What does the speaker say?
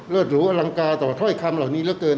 หรูอลังกาต่อถ้อยคำเหล่านี้เหลือเกิน